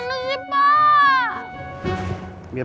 umur mana sih pak